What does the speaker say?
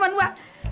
biar aku tutupkan tuh